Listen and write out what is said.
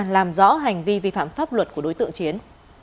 làm rõ hành vi vi phạm pháp luật của đối tượng chiến